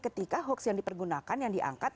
ketika hoax yang dipergunakan yang diangkat